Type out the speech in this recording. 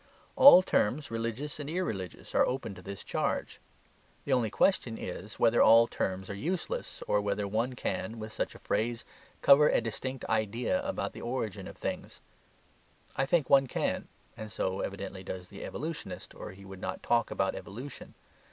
All terms, religious and irreligious, are open to this charge. The only question is whether all terms are useless, or whether one can, with such a phrase, cover a distinct IDEA about the origin of things. I think one can, and so evidently does the evolutionist, or he would not talk about evolution.